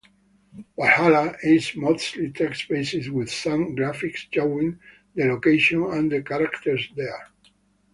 "Valhalla" is mostly text-based with some graphics showing the location and the characters there.